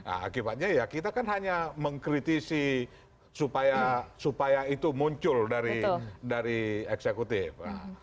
akibatnya ya kita kan hanya mengkritisi supaya itu muncul dari eksekutif